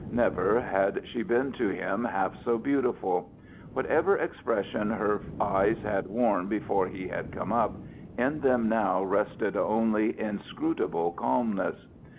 Never had she been to him half so beautiful. Whatever the expression her eyes had worn before he had come up, in them now rested only inscrutable calmness.